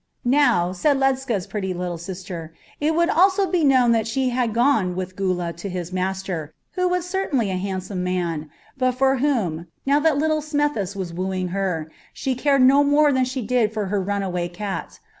"Now," said Ledscha's pretty little sister, "it would also be known that she had gone with Gula to his master, who was certainly a handsome man, but for whom, now that young Smethis was wooing her, she cared no more than she did for her runaway cat.